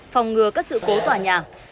phòng ngừa các sự cố tỏa nhà